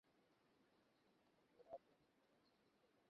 কেহ যদি একটি মিষ্টি কথা বলে, অমনি আমার আনন্দ হইতে থাকে।